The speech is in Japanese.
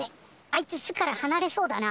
あいつ巣からはなれそうだな。